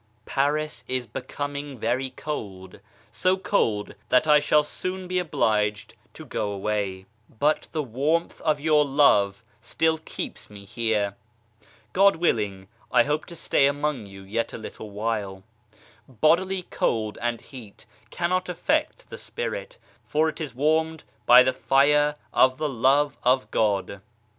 JDARIS is becoming very cold, so cold that I shall soon be A obliged to go away, but the warmth of your love still 58 EVOLUTION OF THE SOUL keeps me here. God willing, I hope to stay among you yet a little while ; bodily cold and heat cannot affect the Spirit, for it is wanned by the Fire of the Love of God.